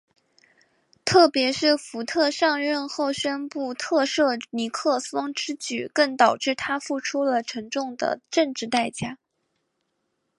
特别是福特上任后宣布特赦尼克松之举更导致他付出了沉重的政治代价。